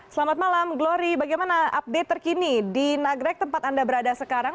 selamat malam glory bagaimana update terkini di nagrek tempat anda berada sekarang